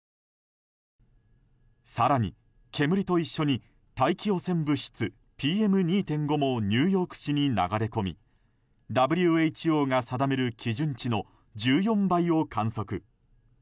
更に煙と一緒に大気汚染物質ＰＭ２．５もニューヨーク市に流れ込みＷＨＯが定める基準値の１４倍を観測。